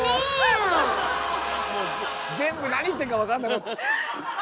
全部何言ってるか分かんなかった。